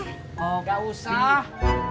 oh enggak usah